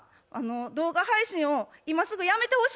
動画配信を今すぐやめてほしいんです。